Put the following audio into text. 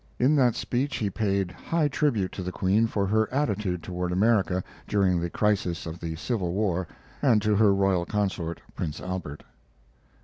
In that speech he paid high tribute to the Queen for her attitude toward America, during the crisis of the Civil Wax, and to her royal consort, Prince Albert.